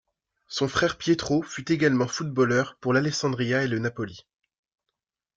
Son frère Pietro, fut également footballeur, pour l'Alessandria et le Napoli.